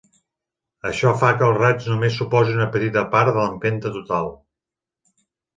Això fa que el raig només suposi una petita part de l'empenta total.